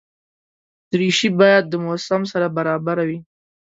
دریشي باید د موسم سره برابره وي.